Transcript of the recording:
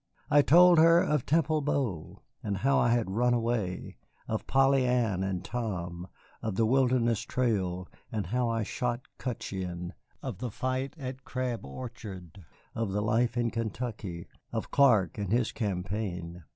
I told her of Temple Bow, and how I had run away; of Polly Ann and Tom, of the Wilderness Trail and how I shot Cutcheon, of the fight at Crab Orchard, of the life in Kentucky, of Clark and his campaign.